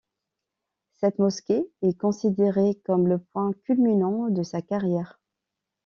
Cette mosquée est considérée comme le point culminant de sa carrière.